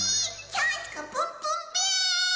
キャースカプンプンべー！